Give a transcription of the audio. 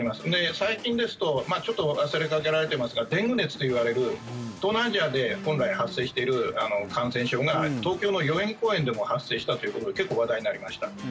最近ですとちょっと忘れかけられてますがデング熱といわれる東南アジアで本来発生している感染症が東京の代々木公園でも発生したということで結構、話題になりました。